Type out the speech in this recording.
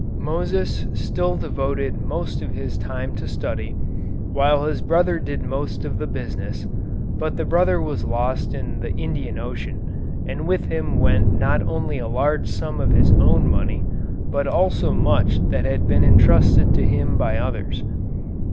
Moses still devoted most of his time to study, while his brother did most of the business, but the brother was lost in the Indian Ocean, and with him went not only a large sum of his own money, but also much that had been entrusted to him by others.